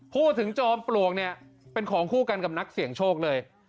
จอมปลวกเนี่ยเป็นของคู่กันกับนักเสี่ยงโชคเลย